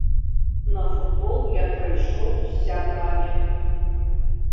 На футбол я прыйшоў з сябрамі.